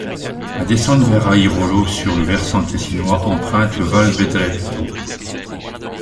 La descente vers Airolo sur le versant tessinois emprunte le Val Bedretto.